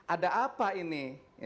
ada apa ini